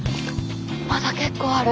まだ結構ある。